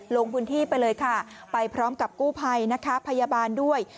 ลงพื้นที่ไปเลยค่ะไปพร้อมกับกู้ภัยนะคะพยาบาลด้วย